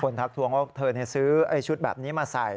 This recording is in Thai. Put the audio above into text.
ทักทวงว่าเธอซื้อชุดแบบนี้มาใส่